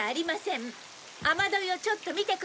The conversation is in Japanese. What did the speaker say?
雨どいをちょっと見てください。